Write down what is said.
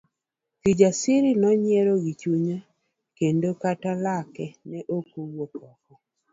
Kijasiri nonyiero gichunye kendo kata lake ne okowuok oko.